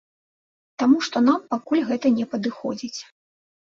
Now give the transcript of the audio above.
Таму, што нам пакуль гэта не падыходзіць.